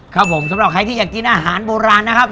ครับผมสำหรับใครที่อยากกินอาหารโบราณนะครับ